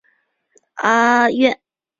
奥斯特洛修道院。